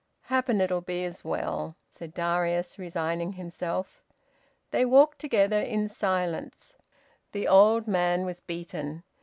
"Happen it'll be as well," said Darius, resigning himself. They walked together in silence. The old man was beaten.